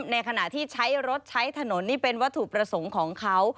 ในขณะที่ใช้รถใช้ถนนนี่เป็นวัตถุประสงค์ของเขา